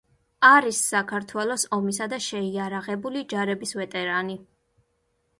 არის საქართველოს ომისა და შეიარაღებული ჯარების ვეტერანი.